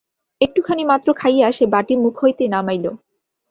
একটুখানি মাত্র খাইয়া সে বাটি মুখ হইতে নামাইল।